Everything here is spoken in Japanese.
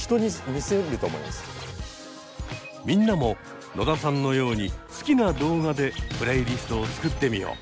みんなも野田さんのように好きな動画でプレイリストを作ってみよう。